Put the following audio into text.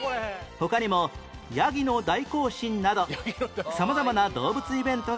他にもヤギの大行進など様々な動物イベントが大人気